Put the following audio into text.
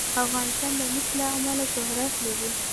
افغانستان د مس له امله شهرت لري.